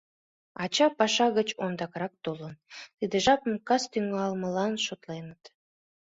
Ача паша гыч ондакрак толын, тиде жапым кас тӱҥалмылан шотленыт.